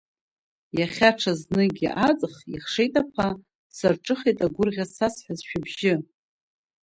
Иахьа ҽазныкгьы аҵх иахшеит аԥа, сарҿыхеит агәырӷьа сазҳәаз шәыбжьы…